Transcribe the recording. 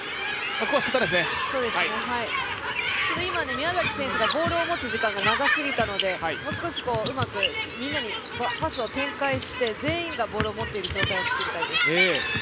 宮崎選手がボールを持つ時間が長すぎたのでもう少しうまくみんなにパスを展開して全員がボールを持っている状態を作りたいです。